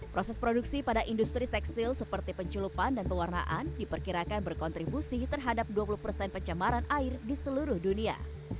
proses produksi pada industri tekstil seperti penculupan dan pewarnaan diperkirakan berkontribusi terhadap dua puluh persen pencemaran air di seluruh dunia